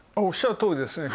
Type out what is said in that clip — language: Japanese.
おっしゃるとおりです。